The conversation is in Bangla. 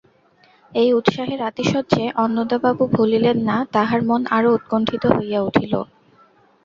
এই উৎসাহের আতিশয্যে অন্নদাবাবু ভুলিলেন না, তাঁহার মন আরো উৎকণ্ঠিত হইয়া উঠিল।